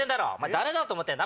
誰だと思ってんだ